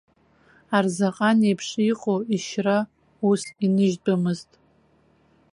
Арзаҟан еиԥш иҟоу ишьра ус иныжьтәымызт.